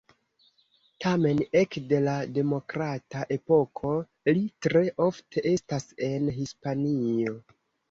Tamen ekde la demokrata epoko, li tre ofte estas en Hispanio.